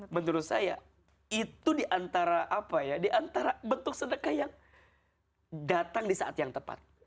menurut saya itu diantara apa ya diantara bentuk sedekah yang datang di saat yang tepat